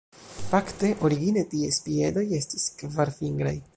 Fakte, origine ties piedoj estis kvarfingraj.